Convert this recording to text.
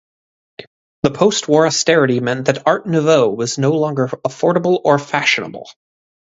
The post-war austerity meant that Art Nouveau was no longer affordable or fashionable.